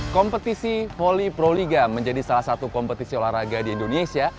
kompetisi volley proliga menjadi salah satu kompetisi olahraga di indonesia